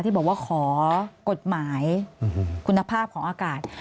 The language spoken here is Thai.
ที่บอกว่าขอกฎหมายคุณภาพของอากาศ